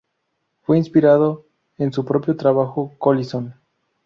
Fue inspirado en su propio trabajo "Collision".